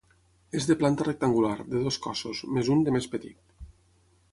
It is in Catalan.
És de planta rectangular, de dos cossos, més un de més petit.